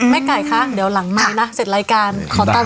แม่ไก่คะเดี๋ยวหลังไม้เสร็จรายการขอตบร้อน